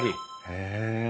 へえ。